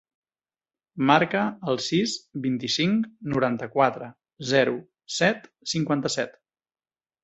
Marca el sis, vint-i-cinc, noranta-quatre, zero, set, cinquanta-set.